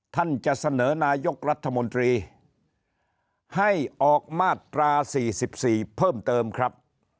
ท่านจะเสนอนายกรัฐมนตรีให้ออกมาตรา๔๔เพิ่มเติมครับ